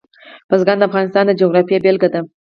بزګان د افغانستان د جغرافیې بېلګه ده.